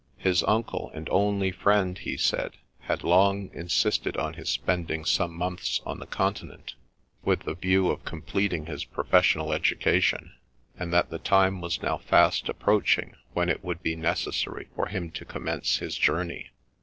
His uncle and only friend, he said, had long insisted on his spending some months on the Continent, with the view of completing his professional education, and that the time was now fast approaching when it would be necessary for him to commence his journey.